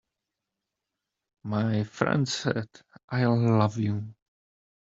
My friend said: "I love you.